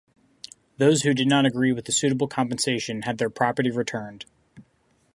Those who did not agree with the suitable compensation had their property returned.